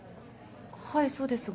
はいそうですが。